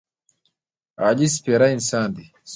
علي سپېره انسان دی.